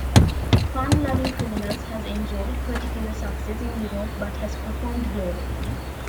Fun Lovin' Criminals has enjoyed particular success in Europe but has performed globally.